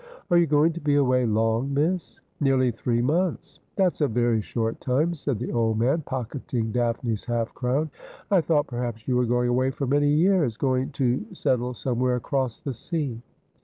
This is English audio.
' Are you going to be away long, miss ?'' Nearly three months.' ■ That's a very short time,' said the old man, pocketing Daphne's half crown. ' I thought perhaps you were going away for many years — going to settle somewhere across the sea.